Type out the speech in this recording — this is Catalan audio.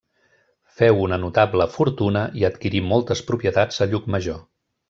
Féu una notable fortuna i adquirí moltes propietats a Llucmajor.